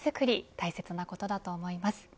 大切なことだと思います。